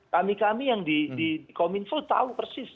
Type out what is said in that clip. kami kami yang di comment full tahu persis